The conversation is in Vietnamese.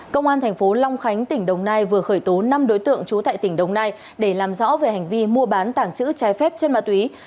công an thành phố long khánh tỉnh đồng nai vừa khởi tố năm đối tượng trú tại tỉnh đồng nai để làm rõ về hành vi mua bán tảng chữ trái phép trên ma túy